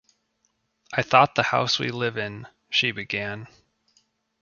“I thought the house we live in —” she began.